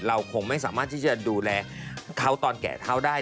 เราคงไม่สามารถที่จะดูแลเขาตอนแกะเท้าได้